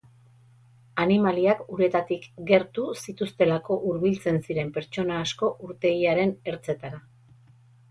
Animaliak uretatik gertu zituztelako hurbiltzen ziren pertsona asko urtegiaren ertzetara.